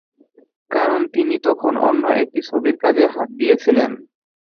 কারণ তিনি তখন অন্য একটি ছবির কাজে হাত দিয়েছিলেন।